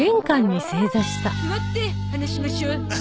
座って話しましょう。